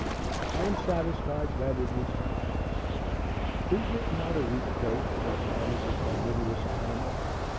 I am satisfied that it is not. Is it not a reproach that man is a carnivorous animal?